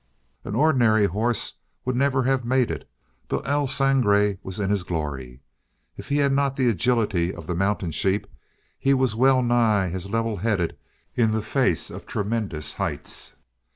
An ordinary horse would never have made it, but El Sangre was in his glory. If he had not the agility of the mountain sheep, he was well nigh as level headed in the face of tremendous heights.